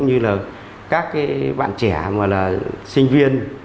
những bạn trẻ sinh viên